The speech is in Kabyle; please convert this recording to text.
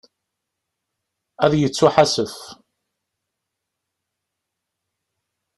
Ad yettuḥasef.